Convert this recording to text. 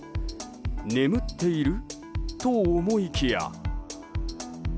眠っている？と思いきや。